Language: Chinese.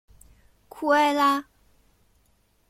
屈埃拉。